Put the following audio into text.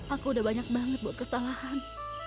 aku udah banyak banget buat kesalahan